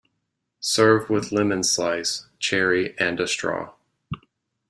Serve with lemon slice, cherry and a straw.